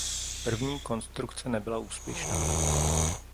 První konstrukce nebyla úspěšná.